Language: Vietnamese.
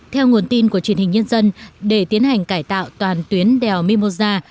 theo nguồn tin của truyền hình nhân dân để tiến hành cải tạo toàn tuyến đèo mimosa